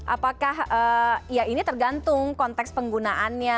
apakah ya ini tergantung konteks penggunaannya